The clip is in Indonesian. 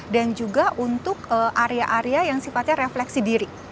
dan juga untuk area area yang sifatnya refleksi diri